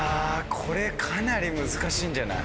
これかなり難しいんじゃない？